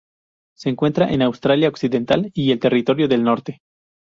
Se encuentra en Australia Occidental y el Territorio del Norte.